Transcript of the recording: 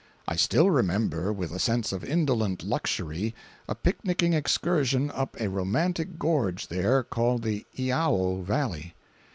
I still remember, with a sense of indolent luxury, a picnicing excursion up a romantic gorge there, called the Iao Valley.